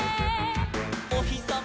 「おひさま